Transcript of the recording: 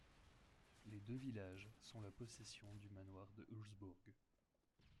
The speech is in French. Les deux villages sont la possession du manoir de Hülseburg.